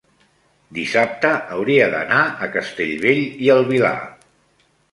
dissabte hauria d'anar a Castellbell i el Vilar.